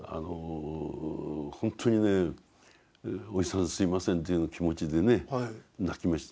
ほんとにねおじさんすいませんという気持ちでね泣きました。